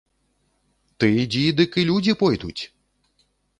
Ты ідзі, дык і людзі пойдуць!